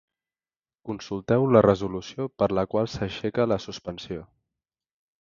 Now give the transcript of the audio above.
Consulteu la Resolució per la qual s'aixeca la suspensió.